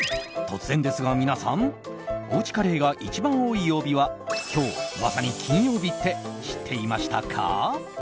突然ですが、皆さんおうちカレーが一番多い曜日は今日、まさに金曜日って知っていましたか？